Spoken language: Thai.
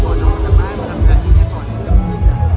พอเริ่มทำงานก็ทำงานดีกว่าอันนี้ก็พูดดีกว่า